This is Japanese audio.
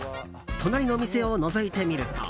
隣の店をのぞいてみると。